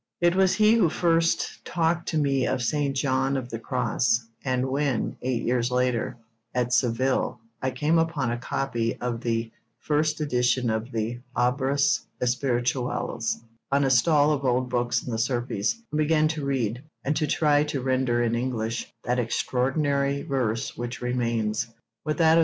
It was he who first talked to me of St. John of the Cross, and when, eight years later, at Seville, I came upon a copy of the first edition of the Obras Espirituales on a stall of old books in the Sierpes, and began to read, and to try to render in English, that extraordinary verse which remains, with that of S.